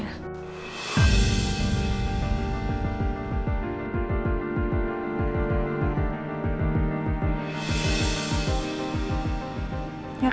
ya kan mak